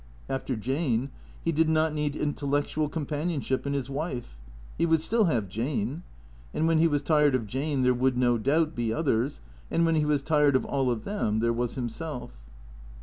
After Jane, he did not need intellectual com panionship in his wife. He would still have Jane. And when he was tired of Jane there would, no doubt, be others ; and when he was tired of all of them, there was himself.